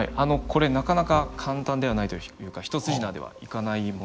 これなかなか簡単ではないというか一筋縄ではいかない問題でして。